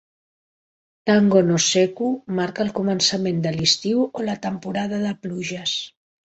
"Tango no Sekku" marca el començament de l'estiu o la temporada de pluges.